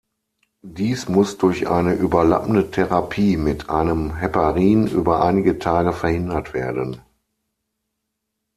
Dies muss durch eine überlappende Therapie mit einem Heparin über einige Tage verhindert werden.